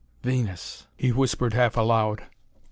"Venus," he whispered half aloud.